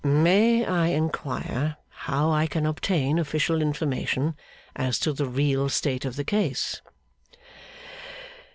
'May I inquire how I can obtain official information as to the real state of the case?